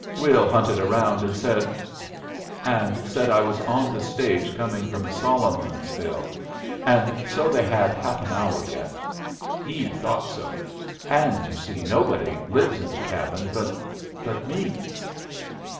Will hunted around and said and said I was on the stage coming from Solomonsville, and so they had half an hour yet. He thought so. And, you see, nobody lives in the cabin but but me."